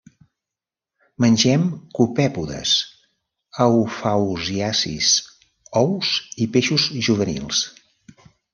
Mengen copèpodes, eufausiacis, ous i peixos juvenils.